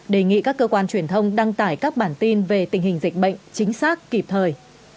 đề nghị các cơ quan truyền thông đăng tải các bản tin về tình hình dịch bệnh chính xác kịp thời